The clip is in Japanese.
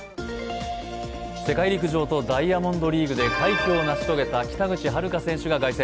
世界陸上とダイヤモンドリーグで快挙を成し遂げた北口榛花選手が凱旋。